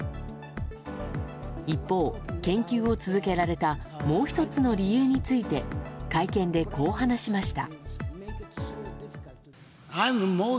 一方、研究を続けられたもう１つの理由について会見でこう話しました。